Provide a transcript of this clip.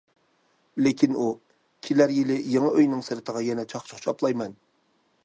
لېكىن ئۇ: كېلەر يىلى يېڭى ئۆينىڭ سىرتىغا يەنە چاقچۇق چاپلايمەن!